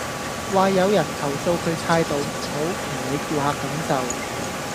話有人投訴佢態度唔好，唔理顧客感受